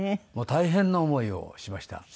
大変な思いをしました。